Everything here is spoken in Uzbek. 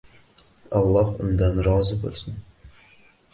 Alloh undan rozi bo'lsin.